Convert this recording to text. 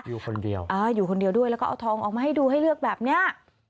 อยู่คนเดียวอ่าอยู่คนเดียวด้วยแล้วก็เอาทองออกมาให้ดูให้เลือกแบบเนี้ย